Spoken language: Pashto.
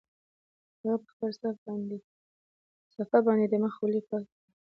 هغه په خپله صافه باندې د مخ خولې پاکې کړې.